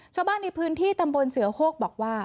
ชาวบ้านในพื้นที่ตำบลเสือโฮกบอกว่า